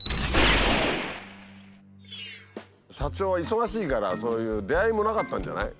社長は忙しいからそういう出会いもなかったんじゃない？